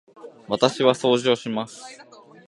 私は掃除をします。